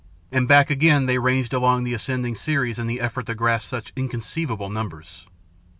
And back again they ranged along the ascending series in the effort to grasp such inconceivable numbers.